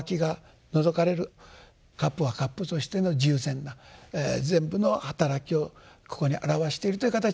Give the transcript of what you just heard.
カップはカップとしての十全な全部の働きをここにあらわしているという形で。